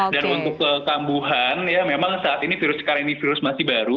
dan untuk kekambuhan ya memang saat ini virus sekarang ini virus masih baru